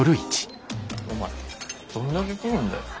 お前どんだけ食うんだよ。